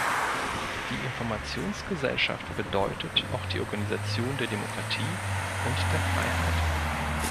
Die Informationsgesellschaft bedeutet auch die Organisation der Demokratie und der Freiheit.